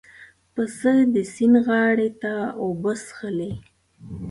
پسه د سیند غاړې ته اوبه څښلې.